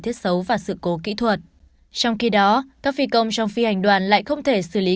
thiết xấu và sự cố kỹ thuật trong khi đó các phi công trong phi hành đoàn lại không thể xử lý